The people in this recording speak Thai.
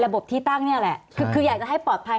บที่ตั้งนี่แหละคืออยากจะให้ปลอดภัย